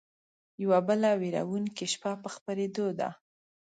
يوه بله وېرونکې شپه په خپرېدو ده